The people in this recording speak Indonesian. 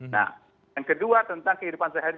nah yang kedua tentang kehidupan sehari hari